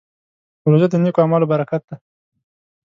روژه د نېکو اعمالو برکت دی.